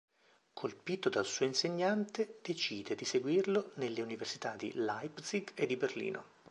Colpito dal suo insegnante, decide di seguirlo nelle università di Leipzig e di Berlino.